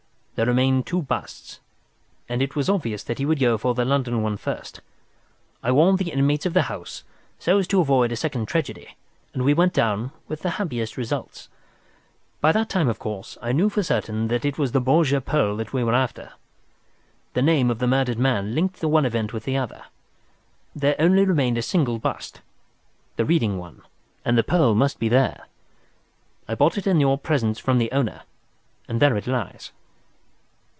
There remained two busts, and it was obvious that he would go for the London one first. I warned the inmates of the house, so as to avoid a second tragedy, and we went down, with the happiest results. By that time, of course, I knew for certain that it was the Borgia pearl that we were after. The name of the murdered man linked the one event with the other. There only remained a single bust—the Reading one—and the pearl must be there. I bought it in your presence from the owner—and there it lies."